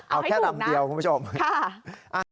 เอาแค่ลำเดียวคุณผู้ชมเอาให้ถูกนะค่ะ